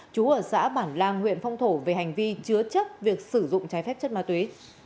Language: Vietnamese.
chú ở xã bản lang huyện phong thổ về hành vi chứa chấp việc sử dụng trái phép chất ma túy